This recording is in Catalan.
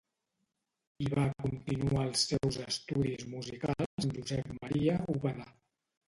I va continuar els seus estudis musicals amb Josep Maria Úbeda.